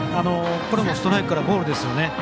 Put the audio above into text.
これもストライクからボールですよね。